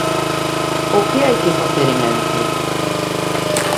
¿O que hai que facer en Ence?